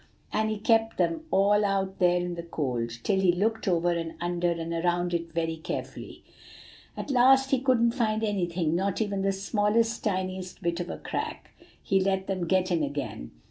And he kept them all out there in the cold, till he looked over and under and around it very carefully. At last, as he couldn't find anything, not even the smallest, tiniest bit of a crack, he let them get in again.